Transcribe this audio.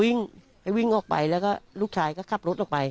วิ่งวิ่งออกไปแล้วก็ลูกชายก็ขับรถออกไป